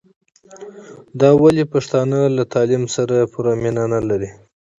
دا ولي پښتانه له تعليم سره پوره مينه نلري